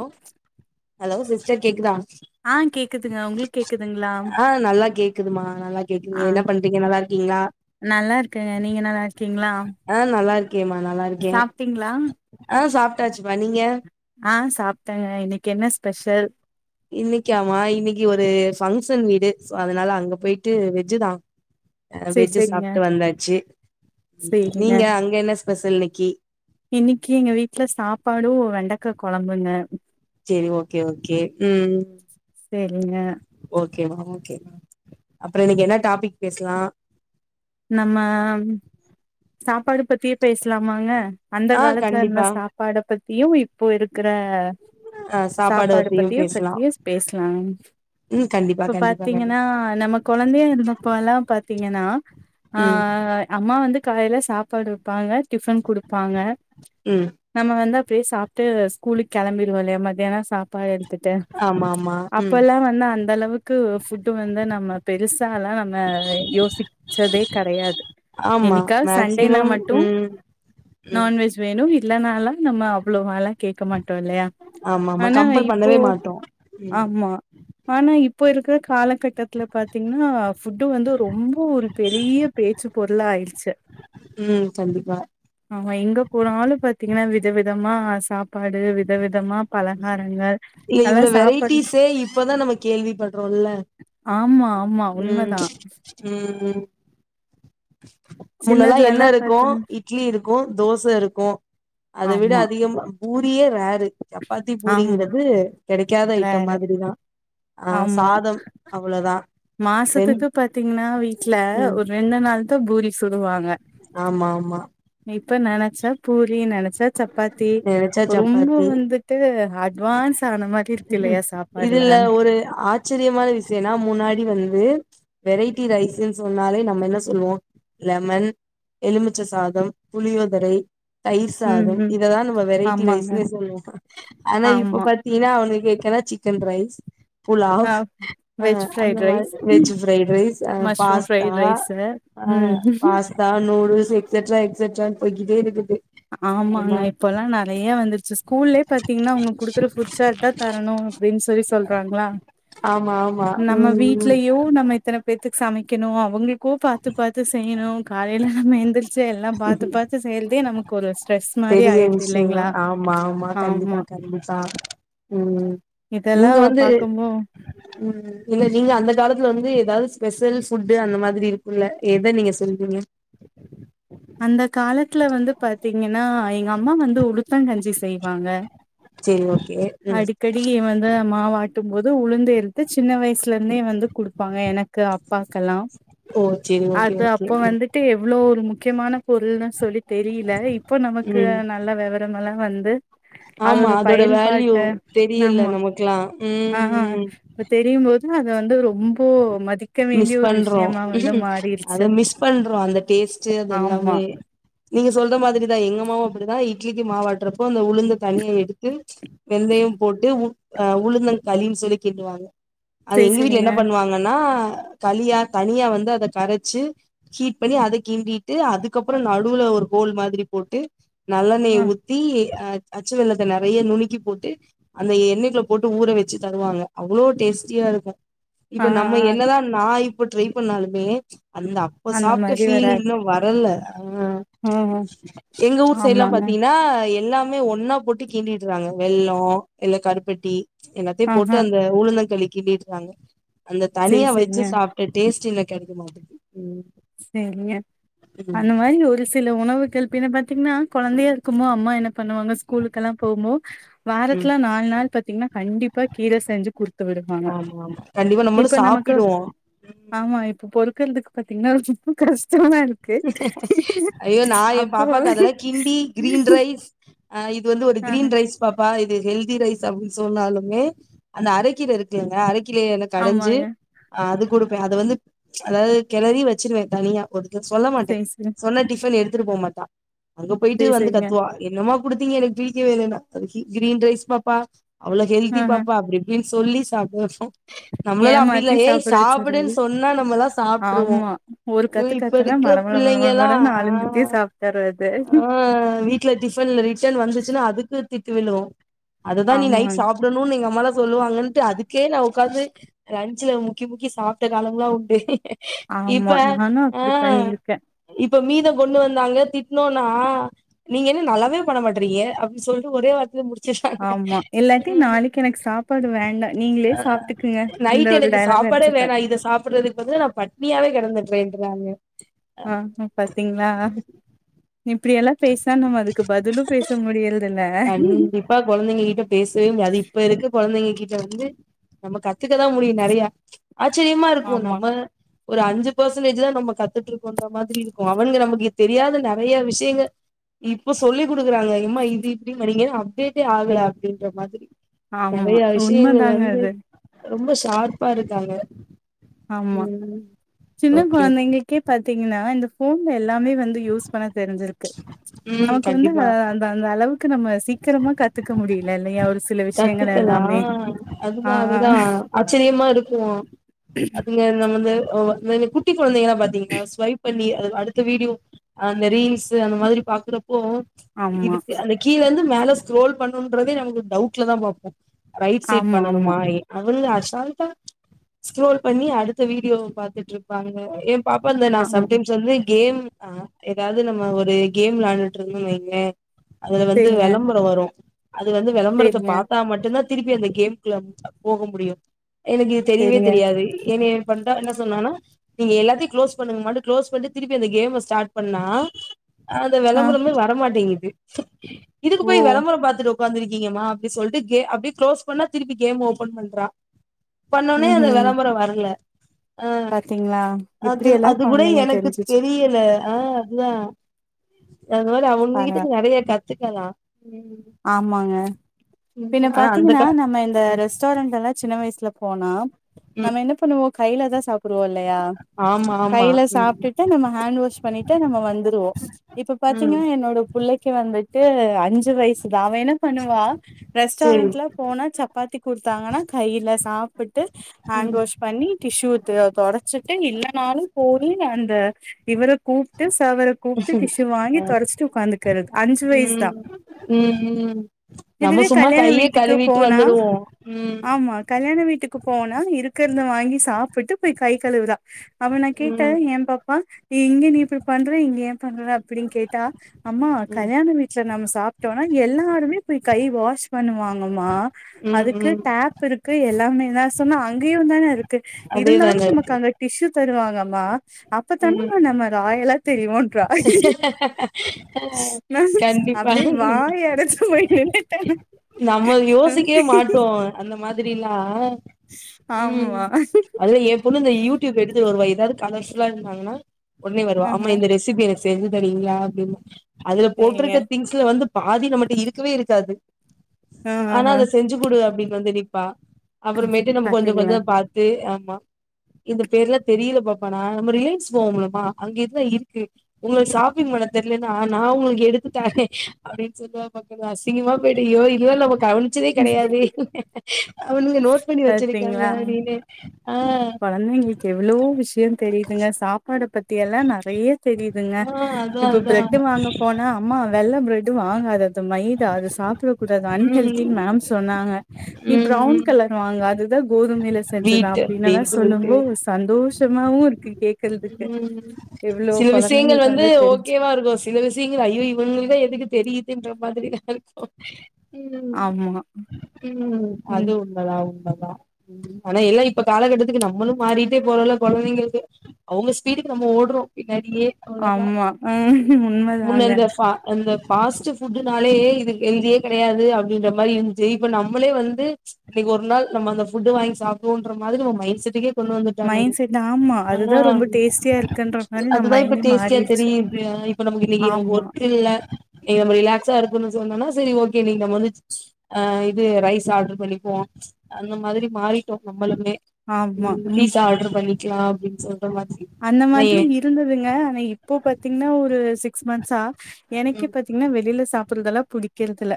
ஹ hello sister கேக்கு தா ஆ கேக்குதுங்க உங்களுக்கு கேக்குதுங்களா ஆ நல்லா கேக்குதுமா நல்லா கேக்குது ஆ என்ன பண்றீங்க நல்லா இருக்கீங்களா நல்லா இருக்கங்க நீங்க நல்லா இருக்கீங்களா ஆ நல்லா நல்லா இருக்கேன் சாப்ட்டீங்களா ஆஹ சாப்ப சாப்டாச்சிபா நீங்க ஆஹ் சாப்பிட்டேங்க இன்னக்கி என்ன ஸ்பெஷல் இன்னைக்க ஆமா இன்னைக்கு ஒரு பங்க்ஷன் வீடு சோ அதனால அங்க போயிட்டு வெஜ்ஜி தான் செரி வெஜ்ஜி செரிங்க சாப்பிட்டு வந்தாச்சு செரிங்க நீங்க அங்க என்ன பெசல் இன்னக்கி என்ன கொலம்புங்க சேரி ஓகே ஓகே ம் சேரிங்க ஒகேமேம் ஒகேமேம் அப்புறோம் இன்னக்கி என்ன டாப்பிக் பேசலாம் நம்ம சாப்பாடு பத்தியே பேசலாமாங்க அந்த ஆ காலத்துல என்ன கண்டிப்பா சாப்பாடு ப நீயும் இப்போ இருக்கிற ஆ சாப்பாடு பத்தியு பத்திய பேசலா பத்திய பேசலாம் ம் கண்டிப்பா இப்ப கண்டிப்பா பாத்தீங்கன்னா கண்டிப்பா நம்ம கொழந்தயா இருந்தப்போ எல்லாம் பாத்தீங்கன்னா ஆ ம் அம்மா வந்து காலயில சாப்பாடு வப்பாங்க டிஃபன் கொடுப்த்தாங்க ம் நம்ம வந்து அப்டியே சாப்டு கூலுக்கு கிளம்பிருவோலைய மத்தியானம் சாப்பாடு ஆமா ஆமா ம் அப்பல்லாம் வந்து அந்த அளவுக்கு ஃபுட்டு வந்து நம்ம பெருசா எல்லாம் நம்ம யோசி ச்சதே கெடையாது ஆமா என்னைக்காது சண்டேனா மேக்சிமம் மட்டும் ம் ம் நான்வெஜ் வே இல்ல நாலா நம்ம அவ்ளோல கேட்க மாட்டோம் இல்லையா ஆமா ஆமா ஆனா கம்பல் இப்போ பண்ணவே மாட்டோ ம் ஆமா ஆனா இபோ இருக்கிற காலகட்டத்தை பாத்தீங்கன்னா ஃபுட் வந்து ரொம்ப ஒரு பெரிய பேச்சு பொருள் ஆயிடுச்சு ம் கண்டிப்பா ஆமா எங்க போனாலும் பாத்தீங்கன்னா விதவிதமா சாப்பாடு வித விதமா இவ்ளோ வெரைட்டிஸே இப்பதான் நம்ம கேள்வி படுறோம்ல்ல ஆமா, ஆமா. உம் உண்மதான். உம் [unintelligible] முன்னெல்லாம் எண்ண சின்னதுலலாம் இருக்கும் பாத்தீங் இட்லி இருக்கும் தோசை இருக்கும் அத விட ஆமா, அதிகமா பூரியே ரார் சப்பாத்தி ஆமா. பூரிங்கிறது கிடைக்காத ஐட்டம் ரேரு. மாதிரிதான் ஆஹ் ஆமா. சாதம் அவ்வளோவுதான் மாசத்துக்கு பாத்தீங்கன்னா வீட்டுல ம் ஒரு ரெண்டு நாள் தான் பூரி சொல்லுவாங்க ஆமா ஆமா இப்ப நினைச்சா பூரி நினைச்சா சப்பாத்தி நெனச்சா ரொம்ப சப்பாத்தி வந்துட்டு அட்வான்ஸ் ஆன மாரி இருக்கு இல்லையா சாப்பாடுல இதுல ஒரு ஆச்சரியமான விஷயனா முன்னாடி வந்து வெரைட்டி ரைஸ் சொன்னாலே நம்ம என்ன சொல்லுவோம் லெமன் எலுமிச்சை சாதம் புளியோதரை தயிர் ம் சாதம் ம் இததான் நம்ம வெரைட்டி ஆமாங்க ரைஸ்ன்னே சொல்லுவோம் ஆனா இப்ப ஆமா பாத்தீங்கன்னா அவனுக்கு எக் சிக்கன் ரைஸ் ஆ புலாவ் வெஜ் அந்த ஃப்ரைட் மாதிரி ரைஸ் ம். Veg fried rice mushroom pasta fried rice ம் பாஸ்தா நூடுல்ஸ் எக்ஸட்ராக்ஸட்ரா போய்டே இருக்கு ஆமாங்க இப்பெல்லாம் நறைய வந்துருச்சு ஸ்கூல்லே பாத்தீங்கன்னா அவங்க குடுக்குற ஃபுட் சார்ட் தரணும் அப்படின்னு சொல்லி சொல்றாங்களா ஆமா ஆமா நம்ம ம் ம் வீட்லயும் நம்ம இத்தனை பேத்துக்கு சமைக்கணும் அவங்களுக்கும் பாத்து பாத்து செய்யணும் காலையையில நம்ம எந்திருச்சு ச்சு எல்லாம் பாத்து பாத்து செய்யிறதே நமக்கு ஸ்ட்ரெஸ் மாரி பெரிய ஆயிருது இல்லைங்களா விஷயம் ஆமா ஆமா கண்டிப்பா கண்டிப்பா உஹம் இதெல்லா நீங்க வந்து பாக்கும்போ உம் இல்ல நீங்க அந்த காலத்துல வந்து ஏதாவது ஸ்பெஷல் ஃபுட் அந்த மாதிரி இருக்கும்ல்ல எத நீங்க சொல்றீங்க அந்த காலத்துல வந்து பாத்தீங்கன்னா எங்க அம்மா வந்து உளுத்த கஞ்சி செய்வாங்க சேரி ஓகே ம் அடிக்கடி வந்து மாவட்டும் போது உளுந்து எடுத்து சின்ன வயசுல இருந்தே வந்து கொடுத்து ப்பாங்க எனக்கு அப்பாக்கெல்லா ஓ சேரி ஓகே அது ஓகே அப்ப ம் வந்துட்டு எவ்ளோ ஒரு முக் ம பொருள்னு சொல்லி தெரியல இப்போ நமக்கு ம் நல்ல விவரமா வந்து ஆமா அதோட வேல்யூ தெரியல ஆமா நமக்கல்லா ஆ உம் உம் இப்ப தெரியும் போது அத வந்து ரொம்போ மதிக்க மிஸ் வேண்டிய ஒரு பண்றோம் விஷயமா வந்து அத மாறிருச்சு மிஸ் பண்றோம் அந்த டேஸ்ட் அ ஆமா எல்லாமே நீங்க சொல்ற மாதிரிதான் எங்கமாவும் அப்படிதான் இட்லிக்கு மாவாட்டுறப்ப உளுந்த தனியா எடுத்து வெந்தையும் போட்டு உ அஹ் உளுந்தங் களின்னு சொல்லி கிண்டுவாங்க அது சேரி எங்க வீட் சேரிங்க என்ன பண்ணுவாங்கன்னா களியா தனியா வந்து அதை கரைச்சு ஹீட் பண்ணி அதை கிண்டிட்டு அதுக்கப்புறம் நடுவுல ஒரு கோல் மாதிரி போட்டு ஆ நல்லெண்ணேய் ஊத்தி அஹ் அச்சு வெல்லத்த நிறைய நுணுக்கி போட்டு அந்த எண்ணெ்ல போட்டு ஊற வச்சு தருவாங்க அவ்வளோ டேஸ்டியா இருக்கும் ஆ இப்ப நம்ம ஆ என்னதான் நான் இப்ப ட்ரை பண்ணாலுமே அந்த அப்ப அந்த சாப்புட்ட மாரி ஃபீல் வராது இன்னும் வரல ஆ ம் எங்க ஊர் சைடெல்லா ஆமாங்க பாத்தீங்கன்னா எ எல்லாமே ஒண்ணா போட்டு கிண்டிடுறாங்க வெல்லோ இல்ல கருப்பட்டி எல்லாத்தையும் போட்டு ஆஹா அந்த ஊளுந்தங்களி கினிர் ங்க அந்த சேரி தனியா வச்சு சேரிங்க சாப்பிட்ட டேஸ்ட் கெடைக்குமா சரிங்க ம் அந்த மாதிரி ஒரு சில உணவு கல்ப்பின பாத்தீங்கன்னா குழந்தையா இருக்குமோ அம்மா எனக்கு பண்ணுவாங்க ஸ்கூலுக்கெல்லாம் போகும்போது ம் வாரத்துல நாலு நாள் பாத்தீங்கன்னா கண்டிப்பா இப்ப கீரை செஞ்சு கொடுத்து விடுவாங்க ஆமா ஆமா கண்டிப்பா நம்மளு இப்ப நமக்கு சாப்பிடுவோ ஆமா இப்ப பொறு [unintelligible] [unintelligible] தானா இருக்கு ஐயோ நா எ அப்போ பாப்பாக்கு ஆஹ் இது வந்து ஒரு ஆஹா கிரீன் ரைஸ் பாப்பா ஹெல்தி ரைஸ் அப்படின்னு சொன்னாலுமே அந்த அரைக்கில இருக்குல அரைக்கீர கடைஞ்சு ஆமாங்க அது கொடு அது வந்து அதாவது கிளரி வச்சிருவேன் தனியா ஒரு சொல்ல மாட்டேன் சேரி சேரி சொன்ன டிஃபன் எடுத் [unintelligible] அங்க போயிட்டு சேரி வந்து சேரிங்க கத்துவா என்னமா குடுத்தீங்க எனக்கு பிடிக்கவேயில்ல கிரீன் ரைஸ் பாப்பா அவ்ளோ ஹெல்தி ஆஹா பாப்பா அப்டிஇப்டினு சொல்லி சாப்பிடப்டோம் நம்மளெல்லாம் அப்படி இல்ல ஏமாத்தி ஏய் சாப்பிட வச்சுறது சாப்பிடுன்னு சொன்னா நம்ம எல்லாம் சாப்பிட்டுருவோம் ஆமா ஒரு ய கத்து இப்ப கத்துனா இருக்குற மடமட பிள்ளைங்கெல்லாம் மடமடன்னு ஆளுந்துட்டே ஆஹ் சாப்ட்டாரு அது ஆஹ வீட்ல டிபன்ல ரீட்டன் வந்துச்சுன்னா அதுக்கு திட்டுவிழும் அதான் நீ நைட் ஆமாங் சாப்பிடணும்னு எங்க அம்மாலா சொல்லுங்கணுட்டு அதுக்கே நா உட்க்காது லன்ச்சுல முக்கி முக்கி சாப்பிட்ட காலம்லாம் உண்டு இப்ப ஆமா நானு ஆ அப்புடி பண்ணியிருக்கேன் இப்ப மீத கொண்டு வந்தாங்க திட்டனும்னா நீங்க என்ன நல்லாவே பண்ணமாடுறீங்க அப்படின்னு சொல்லிட்டு ஒரே வாரத்துல முடி ஆமா இல்லாட்டி நாளைக்கு எனக்கு சாப்பாடு வேண்டா நீங்களே சாப்ட்டுக்குங்க இந்த நைட் ஒரு எனக்கு டயலாக் சாப்பாடே அடிச்சுப்பே வேணாம் இதை சாப்படுறதுக்கு வந்து நான் பட்னியாவே கிடந்துப்பேன் [unintelligible] ஆஹ்ஹ பாத்தீங்களா இப்படியெல்லாம் பேசா நம்ம அதுக்கு பதிலும் பேச முடியறது இல்ல கண்டிப்பா கொழந்தைங்க கிட்ட பேசவே முடியாது இப்ப இருக்கு கொழந்தைங்கு கிட்ட வந்து நம்ம கா இத்துக்கதான் முடியும் நிறைய ஆச்சரியமா இருக்குமோ ஆமா நம்ம ஒரு அஞ்சு பர்சன்டேஜ் தான் நம்ம கத்துட்டு இருக்கோன்ற மாதிரி இருக்கும் அவனுங்க நமக்கு தெரியத நெறையத விஷயங்கள் இப்ப சொல்லி குடுக்குறாங்க இம்மா இது இப்டி படிங்க அப்டேட்டே ஆகல அப்டின்ற மாதிரி ஆமா நெறைய விஷயங்கள் உண்மைதாங்க வந்து அது ரொம்ப ஷார்ப்பா இருக்காங்க ஆமா ம் சின்ன ஓகே குழந்தைங்களுக்கே பாத்தீங்கன்னா இந்த போன்ல எல்லாமே வந்து யூஸ் பா தெரிஞ்சிருக்கு ம் நமக்கு வந்து கண்டிப்பா அத அந்த-அந்த அளவுக்கு நம்ம சீக்கிரமா கத்துக்க முடியல இல்லயா கத்துக்கலாம் ஆ ஆ அதுதான்-அதுதான் ஆச்சரியமா இருக்கும் அது வந்து ஓ குட்டி குழந்தைங்கன்னா பாத்தீங்கன ஸ்வைப் பண்ணிட் அது அடுத்த வீடியோ அந்த ரீல்ஸ் அந்த மாதிரி பாக்குற போ ஆமா. இதுக்கு அந்த கீழ வந்து மேல ஸ்ரோல் பண்ணுறதே நமக்கு டவுட் வீட்டுல தான் பாப்போம் ரைட் சைட் ஆமா, பண்ணனும ஆமா, அவனுக அச் பாருப்பா ஸ்கரோல் பண்ணி அடுத்த வீடியோ பாத்துட்டு இருப்பாங்க பாப்பா அந்த நா ஆமா. சம்டைம்ஸ் வந்து கேம் ஹா ஏதாவது நம்ம ஒரு கேம் விளையாடின்ட்டு இருந்தோம் வைங்க அதுல வந்து சரிங்க, விளம்பரம் வரும் அது வந்து விளம்பரத்தை சரிங்க, பாத்தா மட்டும்தான் திருப்பி அந்த கேம்குள்ள போக முடியும் எனக்கு இது சரிங்க. தெரியவே-தெரியாது ஏ வா என்ன சொன்னா நீங்க எல்லாத்தையும் க்ளோஸ் பண்ணுங்க மாட்ட களோஸ் பண்ணி திருப்பி அந்த கேம ஸ்டார்ட் பண்ணா அந்த ஆ விளம்பரம வரமாட்டேங்கு வச்ச இதுக்கு ஓ! போய் விளம்பரம் பாத்துட்டு உக் உக்காந்திருக்கீங்கம்மா அப்டி சொல்லிட்டு கே அப்டியே க்ளோஸ் பண்ணா திருப்பி கேம் ஓபன் பண்றா பண்ண உன்னே அந்த ம்ஹ்ம். விளம்பரம் வரல ஹா பாத்தீங்களா? இப்படியெல்லாம் அது-அது கூட குழந்தைங்க எனக்கு தெரிஞ்சுச்சு. தெரியல ஆ அதுதான் அதனால அவன் பரவா வீட்டுக்கு நெறைய க வச்கலா ஆமாங்க பின் ஆனா அந்த பாத்தீங்கன்னா க நம்ம இந்த ரெஸ்டாரண்ட் எல்லா சின் சின்ன வயசுல போனா ம் நம்ம என்ன பண்ணுவோ கைல தான் சாப்பிடு பும் இல்லயா ஆமா ஆமா கையில ம் சாப்பட்டுட்டு நம்ம ஹேண்ட் வாஷ் பண்ணட்டு நம்ம வந்துருவோம் இப்ப ம் பாத்தீங்கன்னா என்னோட புள்ளைக்கு வந்து ட்டு அஞ்சு வயசு அவ என்ன பண்ணுவா சேரி ரெஸ்டாரன்ல போனா சப்பாத்தி குடுத்தாங்கன்னா கைல சாப்ப விட்டு ஹேண்ட் ம் வாஷ் பண்ணி டிஷ்யூ த தொடச்சுட்டு இல்லைனாலு போயி அந்த இவர கூப்பட்டு [unintelligible] அவர கூப்ட்டு டிஷ்யூ அ வாங்கி தொடச்சுட்டு உக்காந்துக்கிறது அஞ்சு வயசுதா ம் ம் ம் நம்ம எதுவே சும்மா கல்யாண கைய வீட்டுக்கு கழுவிட்டு போனா வந்துடுவோ ம் ஆமா கல்யாண வீட்டுக்கு போனா இருக்கிறத வாங்கி சாப்ப ப்பட்டு போய் கை கழுவுரா அப்ப நான் கேட்டா ம் என் பாப்பா நீ இங்க நீ இப்படி பண்ற இங்க ஏன் பண்ற அப்டின்னு கேட்டா அம்மா ம் கல்யாண வீட்டுல நம்ம சாப்பட்டோம்னா எல்லாருமே போய் கை வாஷ் பண்ணுவாங்கம்மா ம் அதுக்கு ம் டேப் இருக்கு எல்லாமே நா சொன்னே அங்கயுந்தான இருக்கு இருந்தாலு அதேதாங்க நமக்கு இருக்கு அங்க டிஷ்யூ தருவாங்கம்மா ம் அப்பத்தானம் நம்ம ராயல்லா தெரியவும் நா கண்டிப்பா அப்டியே [unintelligible] நம்ம யோசிக்கவே மாட்டோம் அந்த மாரில்லாம் ம் ஆமா அல்ல எ பொண்ணும் இந்த யூடியூப் எடுத்துட்டு வருவா எதாவது கலர்சல்லாம் இருந்தாங்கன்னா உடனே வருவா ஆமா ஆஹா இந்த ரெசிபி செஞ்சு தரியீங்களா அப்டின்னு அதுல சேரிங்க போட்டிருக்க திங்ஸ்ல வந்து பாதி நம்மிட்ட இருக்கவே இருக்காது ஆ ஆ ஆனா ஆ அத செஞ்சு கொடு அப்டி வந்தினிப்பா அப்பறமேட்டு நம்ம கொஞ்சம் பாத்தீங்களா கொஞ்சம் பாரத்து ஆமா இந்த பேர் எல்லாம் தெரியல பாப்பாானா நம்ம ரிலையன்ஸ் போவோம் முலமா அங்க இதல்லாம் இருக்கு உங்களுக்கு ஷாப்பிங் பண்ண தெரியலன்னா நான் உங்களுக்கு எடுத்து தரேன் அப்படின்னு சொல்லுவ பக்க அசிங்கமா வெடியோ இதுவெல்லம் கவனிச்சதே கிடையாதே அவனுங்க நோட் பண்ணி வச்சிருக்காங்க அப்படின்னு குழந்தைங்களுக்கு எவ்வளோ விஷயம் தெரியுதுங்க சாப்பாட பத்தி எல்லாம் நிறைய தெரியுதுங்க ஆ அதா இப்ப அதா பிரெட்டு் வாங்க போனா அம்மா வெள்ள பிரெட்டு் வாங்காது அது மைதா அது சாப்ப கூடாது ம் அன்ஹெல்த்தி மேம் சொன்னாங்க நீ ம் பிரவுன் ம் கலர் வாங்க அதுதான் கோதுமையில செஞ்சதான் அப்படின்னு சொல்லிட்டு இருக்கு கேக்குறதுக்கு உம் எவ்ளோ சில விஷயங்கள் கொழந்தைங்களுக்கு வந்து தெரிஞ்சு ஓகேவா இருக்கும் சில விஷயங்கள் ஐயோ இவங்களுக்கேல்லம் எதுக்கு தெரியுதுன்ற மாதிரி ஆயிச்சு ஓகே உம் ஆமா உம் அது ம் உள்ளதா உள்ளதா ஆனா எல்லா இப்ப காலகட்டத்துக்கு நம்மளும் மாறிட்டே போறோம்ல குழந்தைங்களுக்கு அவங்க ஸ்பீடுக்கு நம்ம ஓடுறோம் நிறைய அவ்வளோதான் ஆமா ம் உண்மதாங்க முன்னந்த இந்ந வருஷம் ஃபாஸ்ட் ஃபுட்டுனாலே இது ஹெல்தியே கிடையாது அப்படின்ற மாதிரி இருந்துச்சி இப்போ நம்மளே வந்து இன்னைக்கு ஒரு நாள் நம்ம அந்த ஃபுட்டு வாங்கி சாப்பிடுவோம்ன்ற மாதிரி நம்ம மைண்டுசெட்டுக்கே கொண்டு வந்துட்டா மைண்ட் செட் ஆமா அதுதா ஆனா ரொம்ப டேஸ்டியா இருக்குன்ற மாரி நம்ம அதுதான் இப்ப மைண்டே டேஸ்ட்டியா மாறிருச்சு தெரியுது இப்ப நமக்கு இன் ஆமா ஒர்க்கு இல்ல இவங்க ரிலாக்ஸா இருக்குகனும் சொன்னா சரி ஓகே நீங்க வந்து இது ரைஸ் ஆர்டர் பண்ணிப்போம் அந்த மாதிரி மாறிட்டோம் நம்மளுமே ஆமா உம் ம் பிஸா ஆர்டர் பண்ணி கிலா பிச்சர் அந்த மாதிரி இருந்ததுங்க ஆனா இப்போ பாத்தீங்கன்னா ஒரு சிக் ஸ்வன்ஸா எனக்கே பாத்தீங்கன்னா வெளியில சாப்பிடறதெல்லாம் புடி வைக்கிறதுல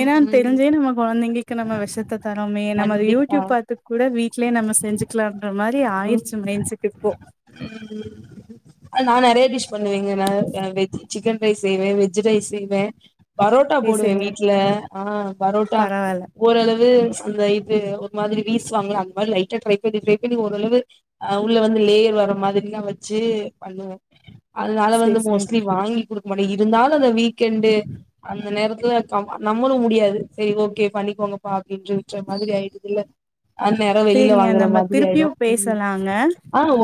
ம் ஏன்னா ம் தெரிஞ்சே நம்ம குழந்தைங்களுக்கு நம்ம விஷத்த தரோமே நம்ம கண்டிப்பா யூடியூப் பார்த்து கூட வீட்லயே நம்ம செஞ்சுலாம் அந்த மாதிரி ஆயிடுச்சு மைண்ட் செட்டுக்கு உம் நான் நிறைய டிஷ் பண்ணுவேங்க நா சிக்கன் ரைஸ் செய்வேன் வெஜ் ரைஸ் செய்வேன் பரோட்டா சேரி போடுவேன் சேரிங்க வீட்டுல ஆஹா பரோட்டா பரவால்ல ஓரளவு ஒரு நைட்டு இது ஒரு மாதிரி வீசுவாங்கல அந்த மாதிரி லைட்டா ட்ரை பண்ணி ட்ரை பண்ணி ஒரளவு உள்ள வந்து லேயர் வர மாதிரல்லாம் வச்சு பண்ணுவோம் அதனால வந்து சேரி சேரி மோஸ்லி வாங்கி கொடு பட் இருந்தாலும் அந்த வீக் கேண்டு அந்த நேர நம்மளும் முடியாது செரி ஓகே பண்ணிக்கோங்கப்பா அப்படின்னு விட்டுற மாதிரி ஆயிடுது இல்ல அந்நேரம் வெளியில சேரிங்க வாங்குற நம்ம மாதிரி திருப்பியு ஆயிடும் பேசலாங்க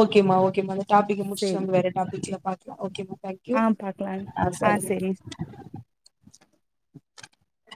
ஓகமா ஓகேமா டபிக முடிச்சவங்க வேற டாபிகல ஓகே ம்மா ஆஹ் பாக்கலாம்ங்க ஆஹ் சரி அ